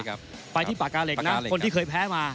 ไปที่ปากกาเหล็กนะคนที่เคยแพ้มา